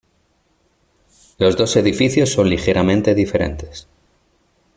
Los dos edificios son ligeramente diferentes.